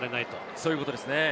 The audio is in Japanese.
そういうことですね。